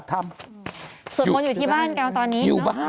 สวดมนต์อยู่เที่ยวบ้านก้าวตอนนี้เนอะห้ะ